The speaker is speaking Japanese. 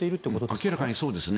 明らかにそうですね。